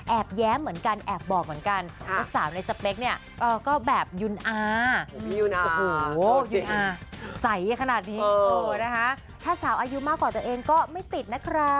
แอบแย้มเหมือนกันแอบบอบเหมือนกัน